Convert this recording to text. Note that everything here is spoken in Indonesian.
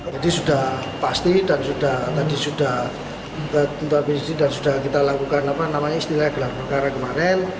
jadi sudah pasti dan sudah kita lakukan istilah gelar perkara kemarin